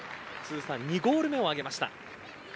２ゴール目を挙げました。